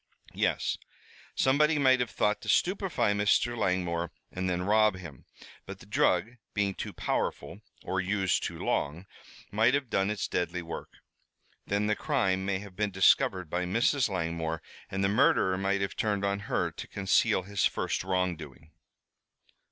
"Yes. Somebody might have thought to stupefy Mr. Langmore and then rob him. But the drug, being too powerful, or used too long, might have done its deadly work. Then the crime may have been discovered by Mrs. Langmore and the murderer might have turned on her to conceal his first wrongdoing."